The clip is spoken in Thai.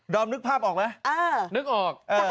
ดอมนึกภาพออกมั้ยนึกออกเออเออ